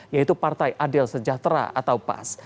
yaitu partai adil sejahtera atau pas